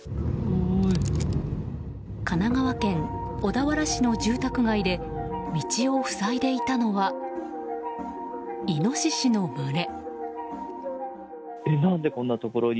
神奈川県小田原市の住宅街で道を塞いでいたのはイノシシの群れ。